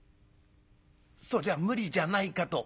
「そりゃ無理じゃないかと」。